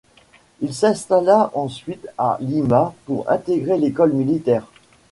Il s'installa ensuite à Lima pour intégrer l'école militaire.